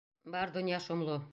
Бар донъя шомло.